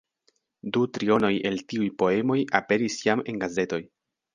Du trionoj el tiuj poemoj aperis jam en gazetoj.